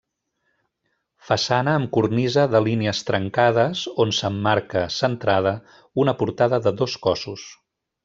Façana amb cornisa de línies trencades, on s'emmarca, centrada, una portada de dos cossos.